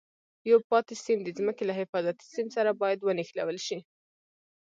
یو پاتې سیم د ځمکې له حفاظتي سیم سره باید ونښلول شي.